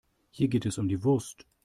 Hier geht es um die Wurst.